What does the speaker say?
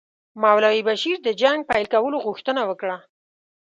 مولوي بشیر د جنګ پیل کولو غوښتنه وکړه.